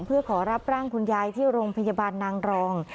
เพื่อขอรับร่างคุณยายที่โรงพยาบาลนางรอง